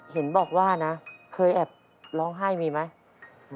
เห็นบอกว่านะเคยแอบร้องไห้มีไหม